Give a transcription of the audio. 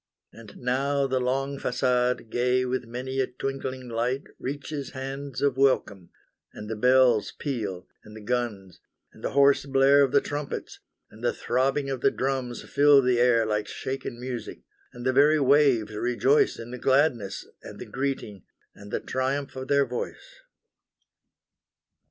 And now the long facade gay with many a twinkling light Reaches hands of welcome, and the bells peal, and the guns, And the hoarse blare of the trumpets, and the throbbing of the drums Fill the air like shaken music, and the very waves rejoice In the gladness, and the greeting, and the triumph of their voice.